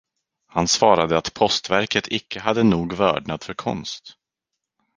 Han svarade att postverket icke hade nog vördnad för konst.